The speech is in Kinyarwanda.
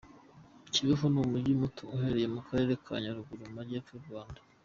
Kibeho ni umujyi muto uherereye mu karere ka Nyaruguru mu majyepfo y’u Rwanda.